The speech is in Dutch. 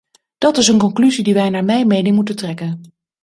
Dat is een conclusie die wij naar mijn mening moeten trekken.